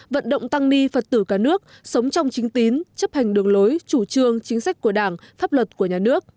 vận động tăng ni phật tử cả nước sống trong chính tín chấp hành đường lối chủ trương chính sách của đảng pháp luật của nhà nước